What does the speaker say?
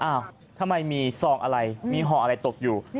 ทำไมมีซองอะไรมีห่ออะไรตกอยู่